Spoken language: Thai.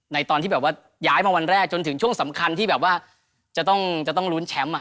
ตอนที่แบบว่าย้ายมาวันแรกจนถึงช่วงสำคัญที่แบบว่าจะต้องลุ้นแชมป์